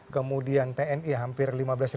kemudian tni hampir lima belas